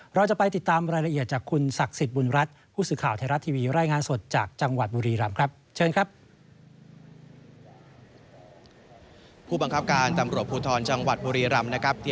เราจะไปติดตามรายละเอียดจากคุณศักดิ์ศิษฐ์บุญรัตน์ผู้สื่อข่าวไทยรัตน์ทีวีรายงานสดจากจังหวัดบุรีรำ